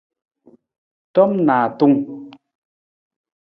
Tom naatung.